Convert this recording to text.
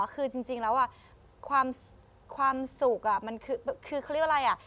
คือจริงแล้วความสุขมันคือเขาเรียกว่าอะไรอ่ะ